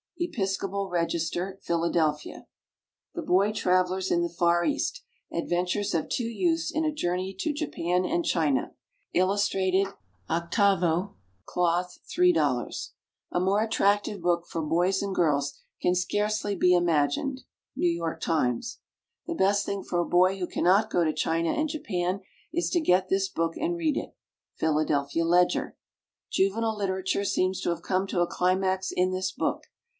_" EPISCOPAL REGISTER, Philadelphia. THE Boy Travellers in the Far East, ADVENTURES OF TWO YOUTHS IN A JOURNEY TO JAPAN AND CHINA. Illustrated, 8vo, Cloth, $3.00. A more attractive book for boys and girls can scarcely be imagined. N. Y. Times. The best thing for a boy who cannot go to China and Japan is to get this book and read it. Philadelphia Ledger. Juvenile literature seems to have come to a climax in this book.